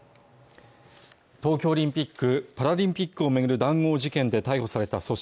東京オリンピックパラリンピックを巡る談合事件で逮捕された組織